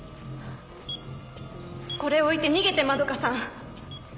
これ置いて逃げて円さん。